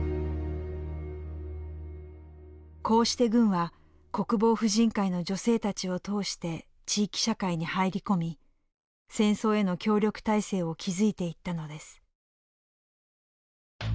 こうして軍は国防婦人会の女性たちを通して地域社会に入り込み戦争への協力体制を築いていったのです。